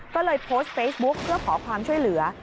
ก็เลยโพสต์เฟซบุ๊คเพื่อขอความช่วยเหลือ